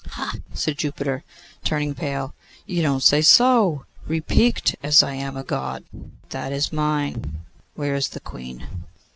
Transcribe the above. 'Ha!' said Jupiter, turning pale; 'you don't say so! Repiqued, as I am a God. That is mine. Where is the Queen?